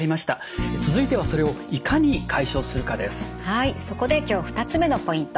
はいそこで今日２つ目のポイント。